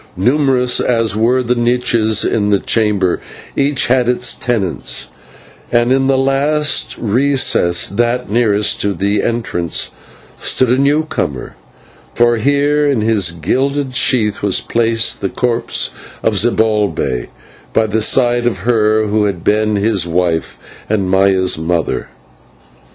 Numerous as were the niches in the chamber, each had its tenants; and in the last recess that nearest to the entrance stood a new comer; for here in his gilded sheath was placed the corpse of Zibalbay, by the side of her who had been his wife and Maya's mother.